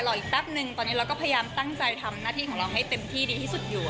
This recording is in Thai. อีกแป๊บนึงตอนนี้เราก็พยายามตั้งใจทำหน้าที่ของเราให้เต็มที่ดีที่สุดอยู่